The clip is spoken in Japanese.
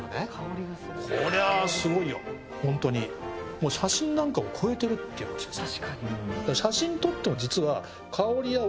もう写真なんかを超えてるっていう話ですよ。